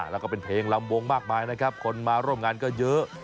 แล้วก็เป็นเพลงลำวงมากมายนะครับคนมาร่วมงานก็เยอะ